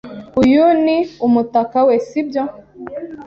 Uyu ni umutaka we, sibyo?